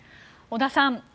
織田さん